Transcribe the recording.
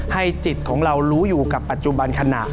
จิตของเรารู้อยู่กับปัจจุบันขณะ